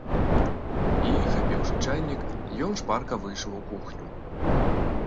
І, хапіўшы чайнік, ён шпарка выйшаў у кухню.